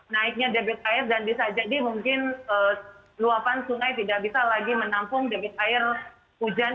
naiknya debit air dan bisa jadi mungkin luapan sungai tidak bisa lagi menampung debit air hujan